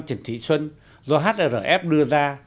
trần thị xuân do hrf đưa ra